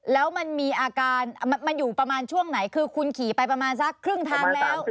แล้วมันมีอาการมันอยู่ประมาณช่วงไหนคือคุณขี่ไปประมาณสักครึ่งทางแล้ว